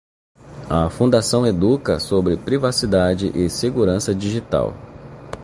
A fundação educa sobre privacidade e segurança digital.